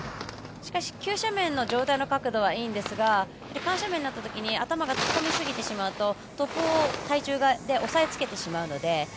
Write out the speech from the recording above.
急斜面の上体の角度はいいですが緩斜面になったときに頭が突っ込みすぎてしまうと体重で押さえつけてしまうので。